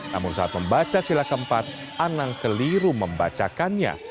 namun saat membaca sila keempat anang keliru membacakannya